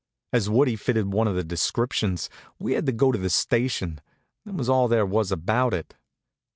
As Woodie fitted one of the descriptions, we had to go to the station, that was all there was about it.